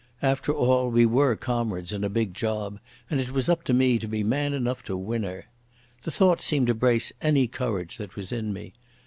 After all we were comrades in a big job, and it was up to me to be man enough to win her. The thought seemed to brace any courage that was in me.